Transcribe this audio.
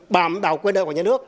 bảo đảo quyền đệ của nhà nước